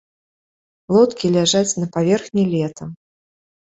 Лодкі ляжаць на паверхні лета.